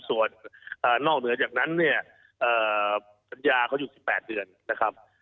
ส่วนนอกเหนือจากนั้นเนี่ยสัญญาเขาอยู่๑๘เดือนนะครับ